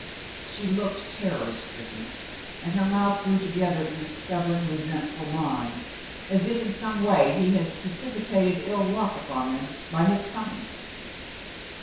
She looked terror stricken, and her mouth drew together in a stubborn, resentful line as if in some way he had pre cipitated ill luck upon them by his coming.